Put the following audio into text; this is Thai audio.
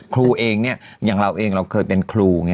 ครูเองเนี่ยอย่างเราเองเราเคยเป็นครู